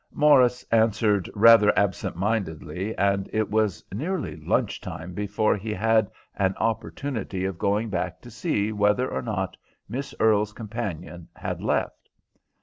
Morris answered rather absent mindedly, and it was nearly lunch time before he had an opportunity of going back to see whether or not Miss Earle's companion had left.